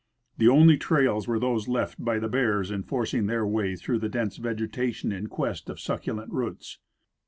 The only trails were those left by the bears in forcing their Avay through the dense vegetation in quest of succulent roots.